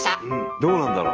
どうなんだろう？